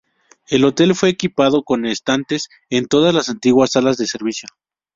El hôtel fue equipado con estantes en todas las antiguas salas de servicio.